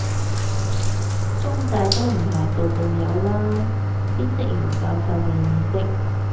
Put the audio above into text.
中大都唔係度度有啦，啲職員教授嘅意識